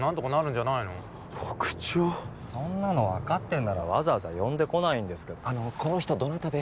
そんなの分かってんならわざわざ呼んでこないんですけどあのこの人どなたで？